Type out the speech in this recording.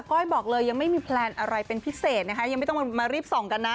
ก้อยบอกเลยยังไม่มีแพลนอะไรเป็นพิเศษนะคะยังไม่ต้องมารีบส่องกันนะ